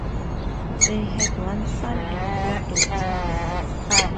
They had one son and four daughters.